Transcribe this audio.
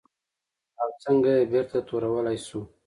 او څنګه یې بېرته تورولی شو؟